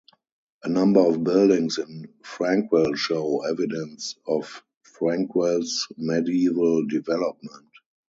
A number of buildings in Frankwell show evidence of Frankwell's medieval development.